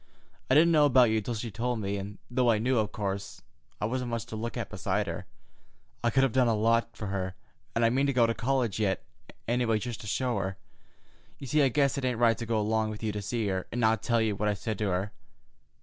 I didn't know about you till she told me, and though I knew, of course, I wasn't much to look at beside her, I could have done a lot for her, and I mean to go to college yet, any way, just to show her. You see, I guess it ain't right to go along with you to see her, and not tell you what I said to her.